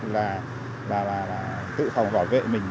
là tự phòng bảo vệ mình